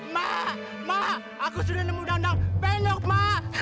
ma ma aku sudah nemu dandang penyok ma